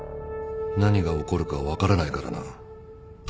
何が起こるか分からないからな。